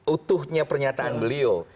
utuhnya pernyataan beliau